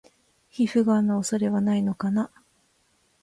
皮膚ガンの恐れはないのかな？